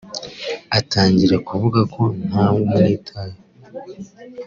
Atangira kuvuga ko ntamwitaho